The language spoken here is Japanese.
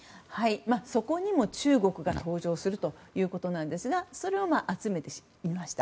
そこにも中国が登場するということなんですがそれを集めてみました。